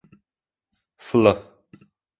Fl.